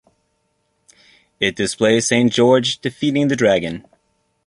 It displays Saint George defeating the Dragon.